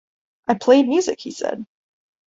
I played music, he said.